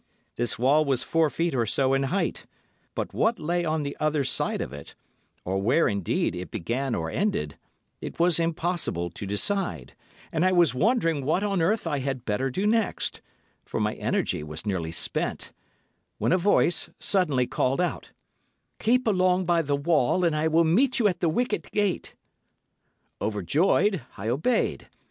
This wall was four feet or so in height, but what lay on the other side of it, or where indeed it began or ended, it was impossible to decide, and I was wondering what on earth I had better do next—for my energy was nearly spent—when a voice suddenly called out, 'Keep along by the wall and I will meet you at the wicket gate!' Overjoyed, I obeyed.